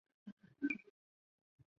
求其下